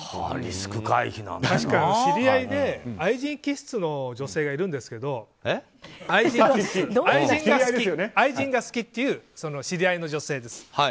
確かに知り合いで愛人気質の女性がいるんですけど愛人が好きっていう知り合いの女性です。